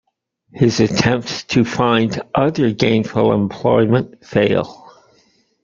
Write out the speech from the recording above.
His attempts to find other gainful employment fail.